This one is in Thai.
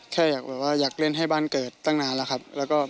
แค่อยากเล่นให้บ้านเกิดตั้งนานแล้วครับ